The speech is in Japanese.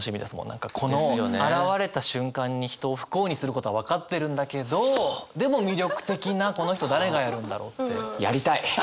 何かこの現れた瞬間に人を不幸にすることは分かってるんだけどでも魅力的なこの人誰がやるんだろうって。